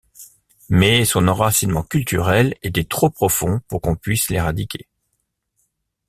Mais son enracinement culturel était trop profond pour qu'on puisse l'éradiquer.